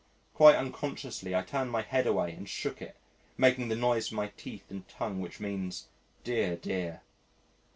Quite unconsciously I turned my head away and shook it, making the noise with my teeth and tongue which means, "Dear, dear."